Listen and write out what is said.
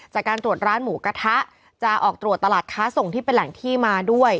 จากการตรวจร้านหมูกระทะจะออกตรวจตลาดค้าส่งที่เป็นแหล่งที่มาด้วย